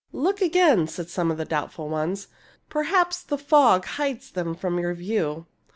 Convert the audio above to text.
"Look again," said some of the doubtful ones. " Perhaps the fog hides them from your view."